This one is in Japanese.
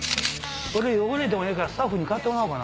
俺ヨゴレでもええからスタッフに買ってもらおうかな。